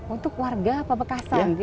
untuk warga pabekasan yang tidak mampu